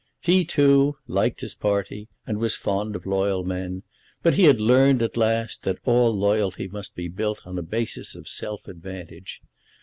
He, too, liked his party, and was fond of loyal men; but he had learned at last that all loyalty must be built on a basis of self advantage.